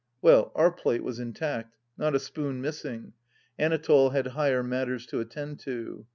Well, our plate was intact ; not a spoon missing ! Anatole had higher matters to attend to.